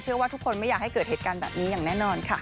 ว่าทุกคนไม่อยากให้เกิดเหตุการณ์แบบนี้อย่างแน่นอนค่ะ